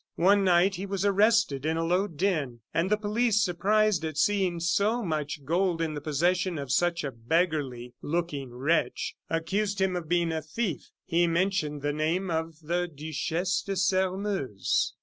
One night he was arrested in a low den, and the police, surprised at seeing so much gold in the possession of such a beggarly looking wretch, accused him of being a thief. He mentioned the name of the Duchesse de Sairmeuse.